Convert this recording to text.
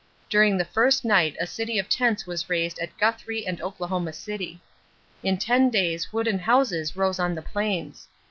During the first night a city of tents was raised at Guthrie and Oklahoma City. In ten days wooden houses rose on the plains.